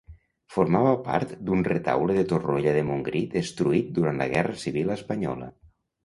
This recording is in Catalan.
Formava part d'un retaule de Torroella de Montgrí destruït durant la Guerra civil espanyola.